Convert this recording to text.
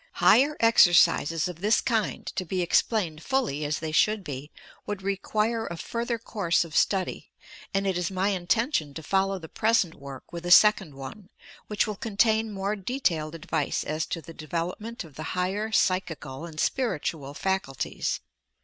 Higher exercises of this kind, to be explained fully, as they should be, would require a fur ther Course of study ; and it is my intention to fol low the present work with a second one, — which will contain more detailed advice as to the development of the higher psychical and spiritual faculties.